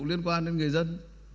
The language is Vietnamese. liên quan đến người dân